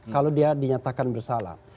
kalau dia dinyatakan bersalah